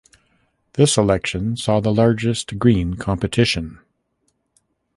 This election saw the largest Green competition.